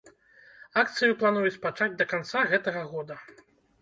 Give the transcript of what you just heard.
Акцыю плануюць пачаць да канца гэтага года.